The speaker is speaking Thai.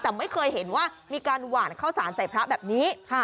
แต่ไม่เคยเห็นว่ามีการหวานข้าวสารใส่พระแบบนี้